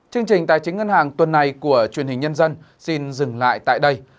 chương trình tài chính ngân hàng tuần này của truyền hình nhân dân xin dừng lại tại đây